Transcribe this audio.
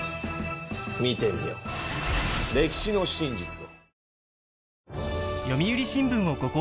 見てみよう歴史の真実を。